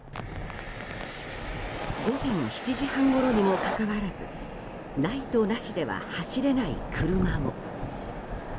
午前７時半ごろにもかかわらずライトなしでは走れない車も。